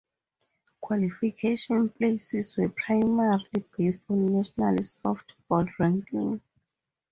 Qualification places were primarily based on national softball ranking.